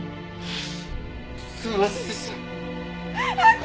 すみませんでした！